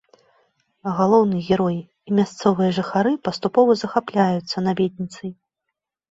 Галоўны герой і мясцовыя жыхары паступова захапляюцца наведніцай.